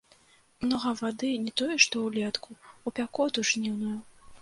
Многа вады, не тое, што ўлетку, у пякоту жніўную.